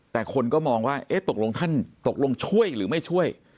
แต่คนก็มองว่าเอ๊ะตกลงท่านตกลงช่วยหรือไม่ช่วย